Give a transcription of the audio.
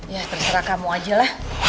ya terserah kamu aja lah